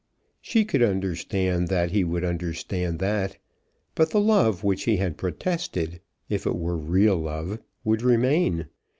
She could understand that he would understand that. But the love which he had protested, if it were real love, would remain.